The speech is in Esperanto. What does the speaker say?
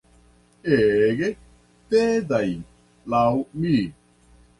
Ege tedaj, laŭ mi.